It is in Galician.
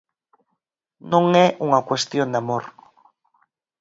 Non é unha cuestión de amor.